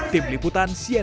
tidak ada urusan